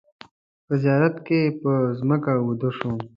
په زیارت کې پر مځکه ویده شوم.